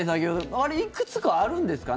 あれ、いくつかあるんですかね？